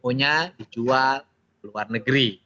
pmo nya dijual ke luar negeri